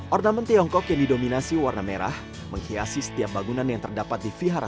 ornamen tiongkok yang didominasi warna merah menghiasi setiap bangunan yang terdapat di vihara